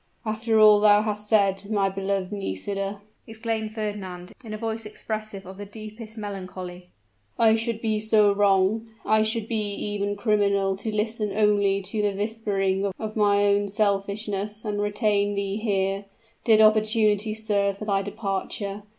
"After all thou hast said, my beloved Nisida," exclaimed Fernand, in a voice expressive of the deepest melancholy, "I should be wrong I should be even criminal to listen only to the whispering of my own selfishness and retain thee here, did opportunity serve for thy departure.